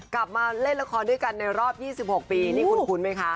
กลับมาเล่นละครด้วยกันในรอบ๒๖ปีนี่คุ้นไหมคะ